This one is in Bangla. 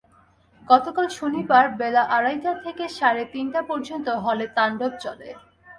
গতকাল শনিবার বেলা আড়াইটা থেকে সাড়ে তিনটা পর্যন্ত হলে তাণ্ডব চলে।